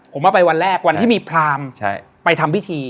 ผมว่าไปวันแรกวันที่มีพรามไปทำพิธี